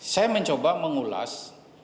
saya mencoba mengulas